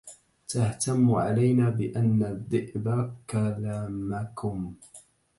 تهتم علينا بأن الذئب كلمكم